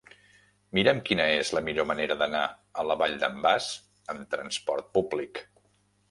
Mira'm quina és la millor manera d'anar a la Vall d'en Bas amb trasport públic.